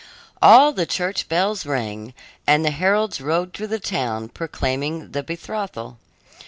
All the church bells rang, and the heralds rode through the town proclaiming the betrothal.